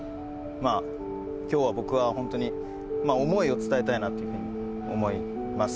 まあ今日は僕はホントに思いを伝えたいなっていうふうに思います